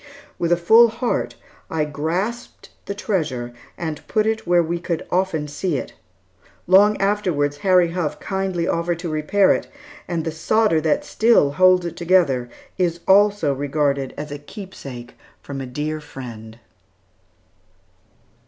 With a full heart, I grasped the treasure and put it where we could often see it. Long afterwards, Harry Huff kindly offered to repair it; and the solder that still holds it together is also regarded as a keepsake from a dear friend."